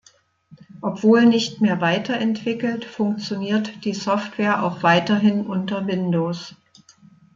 Obwohl nicht mehr weiterentwickelt, funktioniert die Software auch weiterhin unter Windows.